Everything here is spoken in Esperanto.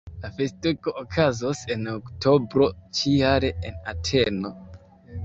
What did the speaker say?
La festego okazos en oktobro ĉi-jare en Ateno.